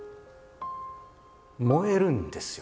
燃えるんですよ